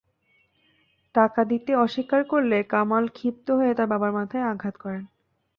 টাকা দিতে অস্বীকার করলে কামাল ক্ষিপ্ত হয়ে তাঁর বাবার মাথায় আঘাত করেন।